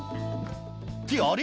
ってあれ？